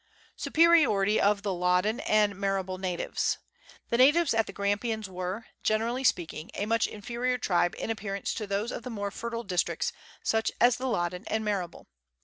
Superiority of the Loddon and Marrable Natives. The natives at the Grampians were, generally speaking, a much inferior tribe in appearance to those of the more fertile districts, such as the Loddon and Marrable.